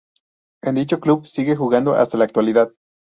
En dicho club sigue jugando hasta la actualidad.